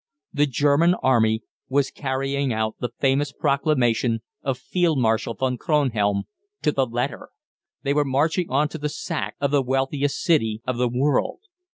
The German Army was carrying out the famous proclamation of Field Marshal von Kronhelm to the letter! They were marching on to the sack of the wealthiest city of the world.